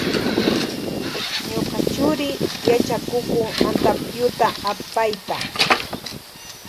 Ñuka churi yachakukun antapyuta apayta.